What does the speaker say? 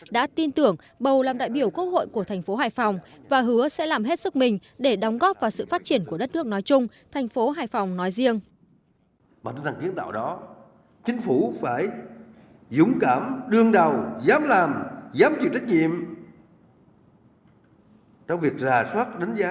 đã tin tưởng bầu làm đại biểu quốc hội của thành phố hải phòng và hứa sẽ làm hết sức mình để đóng góp vào sự phát triển của đất nước nói chung thành phố hải phòng nói riêng